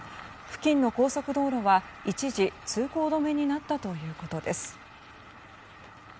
付近の高速道路は一時通行止めになったということです。